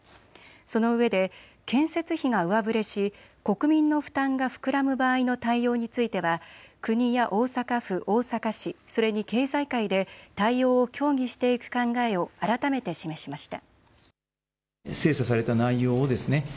そのうえで建設費が上振れし国民の負担が膨らむ場合の対応については国や大阪府、大阪市、それに経済界で対応を協議していく考えを改めて示しました。